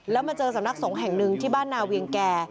แล้วมาเจอสำนักสงฆ์แห่งหนึ่งที่บ้านนาเวียงแก่